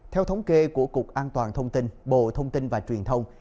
theo thống kê của cục an toàn thông tin bộ thông tin và truyền thông